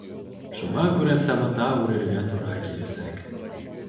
Шуға күрә сабата үрергә тура киләсәк.